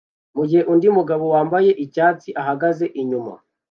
mugihe undi mugabo wambaye icyatsi ahagaze inyuma